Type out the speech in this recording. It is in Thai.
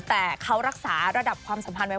แต่เขารักษาระดับความสัมพันธ์ไว้